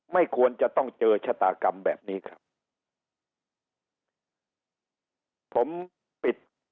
ไม่ควรจะต้องเจอชะตากรรมแบบนี้ครับผมปิด